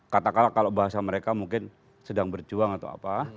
katakanlah kalau bahasa mereka mungkin sedang berjuang atau apa